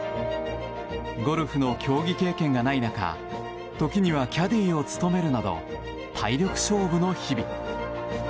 ゴルフの競技経験がない中時にはキャディーを務めるなど体力勝負の日々。